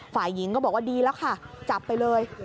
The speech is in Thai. ฝ่ายหญิงก็บอกว่าดีแล้วค่ะจับไปเลย